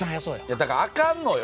いやだからあかんのよ。